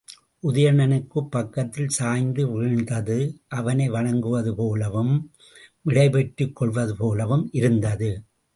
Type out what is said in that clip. உதயணனுக்குப் பக்கத்தில் சாய்ந்து வீழ்ந்தது, அவனை வணங்குவது போலவும் விடை பெற்றுக் கொள்வதுபோலவும் இருந்தது.